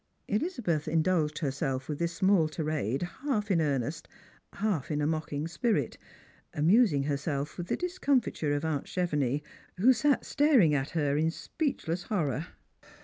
Elizabeth indulged herself with this small tirade half in earnest, half in a mocking spirit, amusing herself with the discomfiture of aunt Chevenix, who sat staring at her in speechless horror.